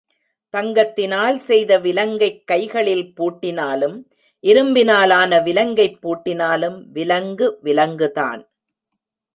தங்கத்தினால் செய்த விலங்கைக் கைகளில் பூட்டினாலும், இரும்பினால் ஆன விலங்கைப் பூட்டினாலும் விலங்கு விலங்குதான்.